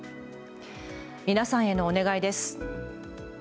皆さんへのお願いです。